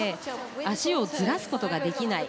足をずらすことができない。